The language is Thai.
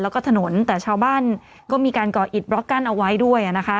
แล้วก็ถนนแต่ชาวบ้านก็มีการก่ออิดบล็อกกั้นเอาไว้ด้วยนะคะ